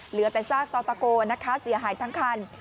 เหลือแต่ซากต่อตะโกนะคะเสียหายทั้งคัน